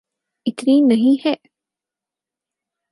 اتنی نہیں ہے۔